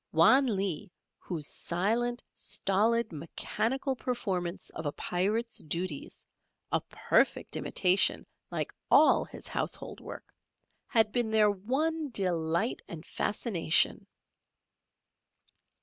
Wan Lee, whose silent, stolid, mechanical performance of a Pirate's duties a perfect imitation like all his household work had been their one delight and fascination!